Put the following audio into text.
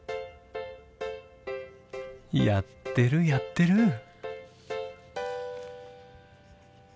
やってるやってる！